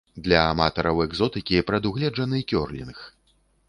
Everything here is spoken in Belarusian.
Для аматараў экзотыкі прадугледжаны кёрлінг.